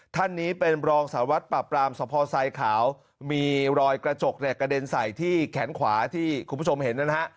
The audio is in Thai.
ท่านนี้เป็นรองสารวัตรปราบปรามสภทรายขาวมีรอยกระจกเนี่ยกระเด็นใส่ที่แขนขวาที่คุณผู้ชมเห็นนะฮะ